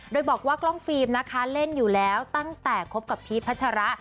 โดยบอกว่ากล้องฟิล์มนะคะเล่นอยู่แล้วตั้งแต่คบกับพีชพัชระ